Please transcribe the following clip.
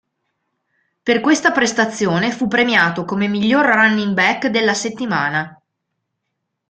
Per questa prestazione fu premiato come miglior running back della settimana.